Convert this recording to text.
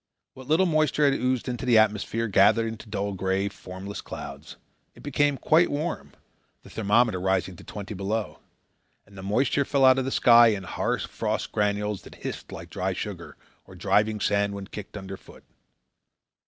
What little moisture had oozed into the atmosphere gathered into dull grey, formless clouds; it became quite warm, the thermometer rising to twenty below; and the moisture fell out of the sky in hard frost granules that hissed like dry sugar or driving sand when kicked underfoot.